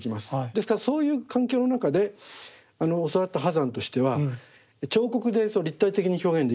ですからそういう環境の中で教わった波山としては彫刻で立体的に表現できる。